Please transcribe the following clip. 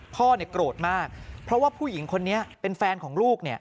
พ่อโกรธมากเพราะว่าผู้หญิงคนนี้เป็นแฟนของลูก